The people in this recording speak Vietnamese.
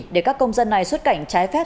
để các công dân này xuất cảnh trái phép